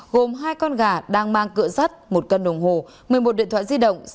gồm hai con gà đang mang cửa sắt một cân đồng hồ một mươi một điện thoại di động